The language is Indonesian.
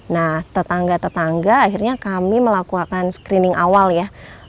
nah tetangga tetangga akhirnya kami melakukan screening awal ya